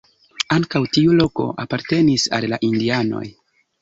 Ankaŭ tiu loko apartenis al la indianoj.